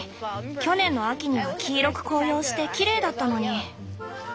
去年の秋には黄色く紅葉してきれいだったのに。